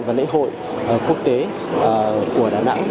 và lễ hội quốc tế của đà nẵng